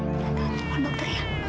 jangan telepon dokter ya